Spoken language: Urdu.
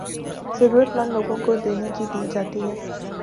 ضرورت مند لوگوں کو دینے کے دی جاتی ہیں